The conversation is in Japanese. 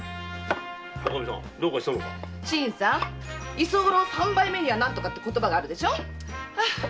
「居候三杯目にはなんとか」って言葉があるでしょ。